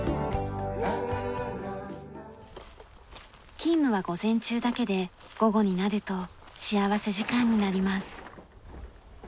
勤務は午前中だけで午後になると幸福時間になります。